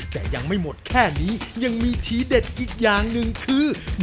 แต่ยังไม่หมดแค่นี้ยังมีทีเด็ดอีกอย่างหนึ่งคือ